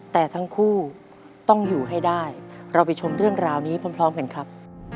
แต่ทั้งคู่ต้องอยู่ให้ได้เราไปชมเรื่องราวนี้พร้อมกันครับ